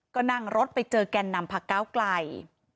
ก็นั่งรถไปเจอแก่นนำพักเก้าไกล